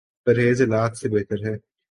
پرہیز علاج سے بہتر ہے